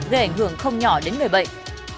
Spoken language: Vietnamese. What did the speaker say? gây ảnh hưởng không nhỏ đến người bệnh